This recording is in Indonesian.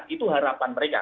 itu harapan mereka